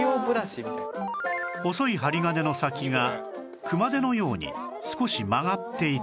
細い針金の先が熊手のように少し曲がっていて